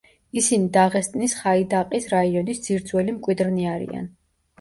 ისინი დაღესტნის ხაიდაყის რაიონის ძირძველი მკვიდრნი არიან.